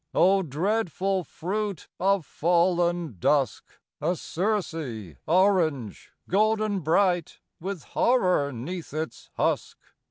O dreadful fruit of fallen dusk! A Circe orange, golden bright, With horror 'neath its husk.